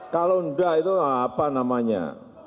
kalau enggak itu apa namanya